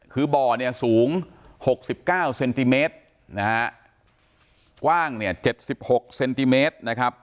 คือบ่อเนี่ยสูงหกสิบเก้าเซนติเมตรนะฮะกว้างเนี่ยเจ็ดสิบหกเซนติเมตรนะครับ